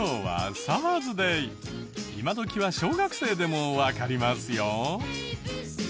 今どきは小学生でもわかりますよ。